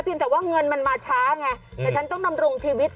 แต่ว่าเงินมันมาช้าไงแต่ฉันต้องดำรงชีวิต